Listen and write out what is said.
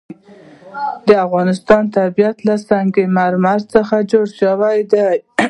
د افغانستان طبیعت له سنگ مرمر څخه جوړ شوی دی.